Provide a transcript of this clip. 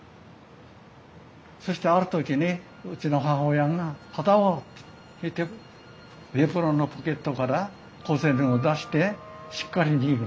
そしてある時にうちの母親が定男って言ってエプロンのポケットから小銭を出してしっかり握らせてくれた。